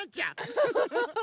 フフフフフ。